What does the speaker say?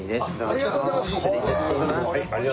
ありがとうございます。